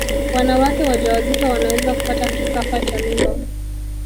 wanawake wajawazito wanaweza kupata kifafa cha mimba